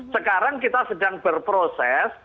sekarang kita sedang berproses